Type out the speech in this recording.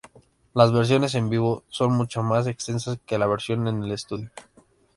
Las versiones en vivo, son muchas más extensas que la versión en estudio.